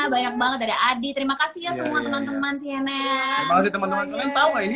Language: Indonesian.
banyak banget ada adi terima kasih ya teman teman